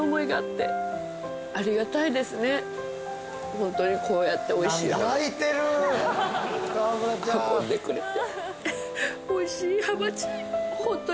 ホントにこうやっておいしいもの運んでくれて。